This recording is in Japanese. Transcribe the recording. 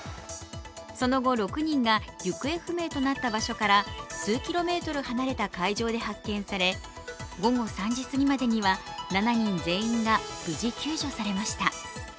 その後、６人が行方不明となった場所から数キロメートル離れた海上で発見され午後３時すぎまでには７人全員が無事救助されました。